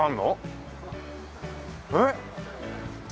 えっ？